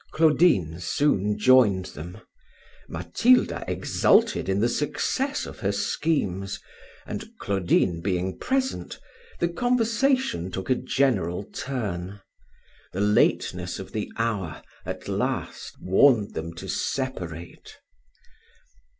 Claudine soon joined them. Matilda exulted in the success of her schemes, and Claudine being present, the conversation took a general turn. The lateness of the hour, at last, warned them to separate.